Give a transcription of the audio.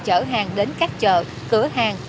chở hàng đến các chợ cửa hàng